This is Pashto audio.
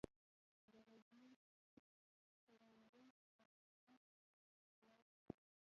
د غزې تړانګه د حماس په لاس کې ده.